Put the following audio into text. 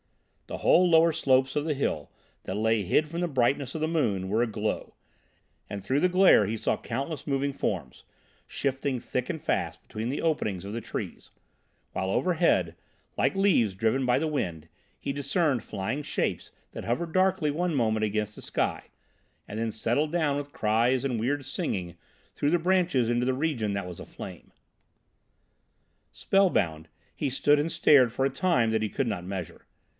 The whole lower slopes of the hill, that lay hid from the brightness of the moon, were aglow, and through the glare he saw countless moving forms, shifting thick and fast between the openings of the trees; while overhead, like leaves driven by the wind, he discerned flying shapes that hovered darkly one moment against the sky and then settled down with cries and weird singing through the branches into the region that was aflame. Spellbound, he stood and stared for a time that he could not measure.